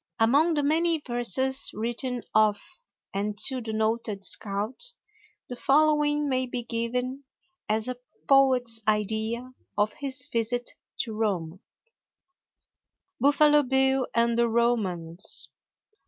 ]Among the many verses written of and to the noted scout, the following may be given as a poet's idea of his visit to Rome: BUFFALO BILL AND THE ROMANS.